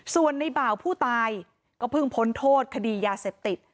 ส่วนในบ่าวผู้ตายก็เพิ่งพ้นโทษคดียาเสพติด